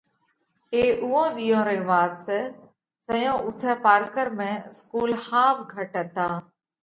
اي اُوئون ۮِيئون رئِي وات سئہ زئيون اُوٿئہ پارڪر ۾ اسڪُول ۿاوَ گھٽ هتا۔